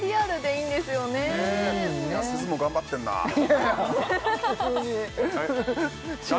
いやすずも頑張ってんな普通にはい？